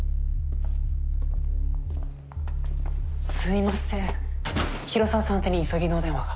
・すいません広沢さん宛てに急ぎのお電話が。